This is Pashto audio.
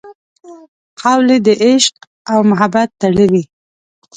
قول د عشق او محبت تړلي